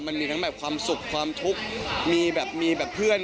มันมีทั้งแบบความสุขความทุกข์มีแบบมีแบบเพื่อน